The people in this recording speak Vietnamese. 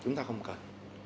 chúng ta không cần